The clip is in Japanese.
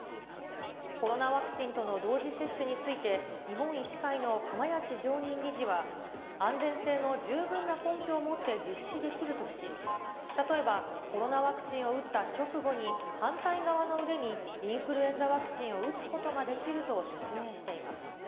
コロナワクチンとの同時接種について、日本医師会の釜萢常任理事は安全性の十分な根拠を持って実施できるとし、例えば、コロナワクチンを打った直後に反対側の腕にインフルエンザワクチンを打つことができると説明しています。